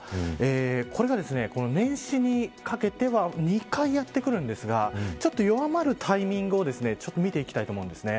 これが、年始にかけては２回やってくるんですがちょっと弱まるタイミングを見ていきたいと思うんですね。